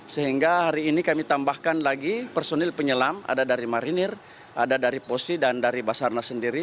sehingga hari ini kami tambahkan lagi personil penyelam ada dari marinir ada dari posi dan dari basarnas sendiri